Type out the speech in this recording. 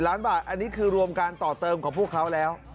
ล้านบาทอันนี้คือรวมการต่อเติมของพวกเขาแล้ว